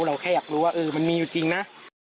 เราแค่อยากรู้ว่ามันมีอยู่จริงนะ